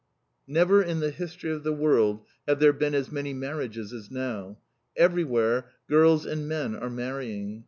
Never in the history of the world have there been as many marriages as now. Everywhere girls and men are marrying.